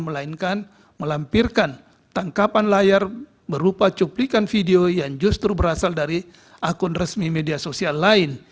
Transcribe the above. melainkan melampirkan tangkapan layar berupa cuplikan video yang justru berasal dari akun resmi media sosial lain